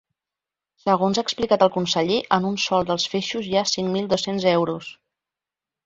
Segons ha explicat el conseller, en un sol dels feixos hi ha cinc mil dos-cents euros.